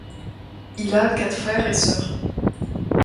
Il a quatre frères et sœurs.